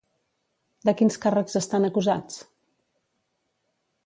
De quins càrrecs estan acusats?